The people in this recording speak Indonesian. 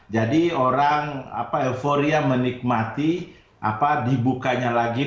jadi orang euforia menikmati dibukanya lagi